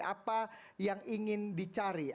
apa yang ingin dicari